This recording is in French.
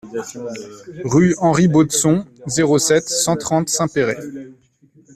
Rue Henri Baudson, zéro sept, cent trente Saint-Péray